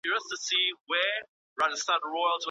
د نجونو د حقونو ساتنه بايد باوري سي.